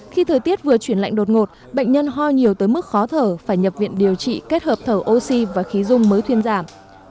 khi thời tiết vừa chuyển lạnh đột ngột bệnh nhân ho nhiều tới mức khó thở phải nhập viện điều trị kết hợp thở oxy và khí dung mới thuyên giảm